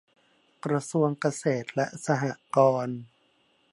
กระทรวงเกษตรและสหกรณ์